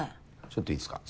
ちょっといいですか？